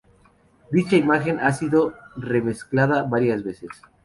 Dicha imagen ha sido remezclada varias veces.